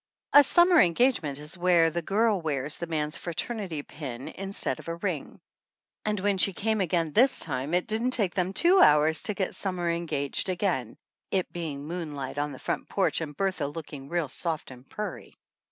A summer engagement is where the girl wears the man's fraternity pin instead of a ring. And when she came again this time it didn't take them two hours to get sum mer engaged again, it being moonlight on the front porch and Bertha looking real soft and purry.